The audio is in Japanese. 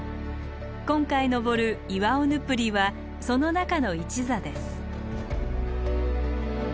今回登るイワオヌプリはその中の一座です。